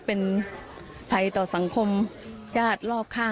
เนื่องจากนี้ไปก็คงจะต้องเข้มแข็งเป็นเสาหลักให้กับทุกคนในครอบครัว